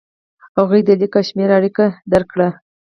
هغوی د لیک او شمېر اړیکه درک کړه.